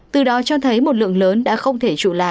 từ đó cho thấy một lượng lớn đã không thể trụ lại